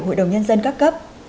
hội đồng nhân dân các cấp